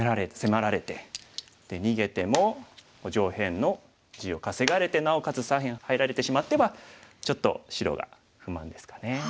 逃げても上辺の地を稼がれてなおかつ左辺入られてしまってはちょっと白が不満ですかね。